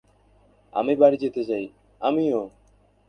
"আমি বাড়ি যেতে চাই।" "আমিও।"